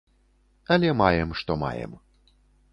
Але маем, што маем.